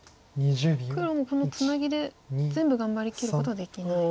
黒もこのツナギで全部頑張りきることはできない。